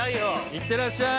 ◆行ってらっしゃい。